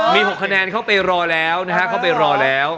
มี๖คะแนนเข้าไปรอแล้วนะฮะเข้าไปรอแล้ว